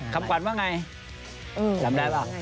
ขับขวานว่าไงจำได้ป่ะจำไม่ได้